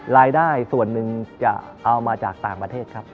รายได้ส่วนหนึ่งจะเอามาจากต่างประเทศครับ